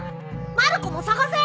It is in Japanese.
まる子も捜せ。